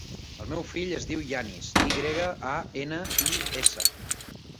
El meu fill es diu Yanis: i grega, a, ena, i, essa.